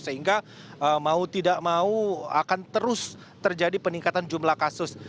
sehingga mau tidak mau akan terus terjadi peningkatan jumlah kasus